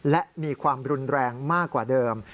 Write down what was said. และมีความรุนแรงมากกว่าเดิม